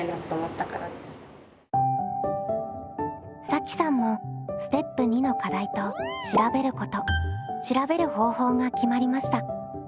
さきさんもステップ２の課題と「調べること」「調べる方法」が決まりました。